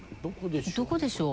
どこでしょう。